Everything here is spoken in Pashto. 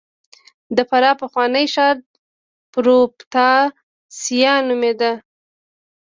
د فراه پخوانی ښار پروفتاسیا نومېده